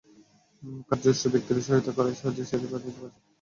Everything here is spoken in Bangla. কাজে জ্যেষ্ঠ ব্যক্তিরা সহায়তা করায় সহজেই সেরে নিতে পারছি নিত্যদিনের দায়িত্ব।